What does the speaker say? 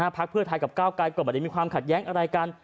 พักเพื่อไทยกับก้าวไกรก็ไม่ได้มีความขัดแย้งอะไรกัน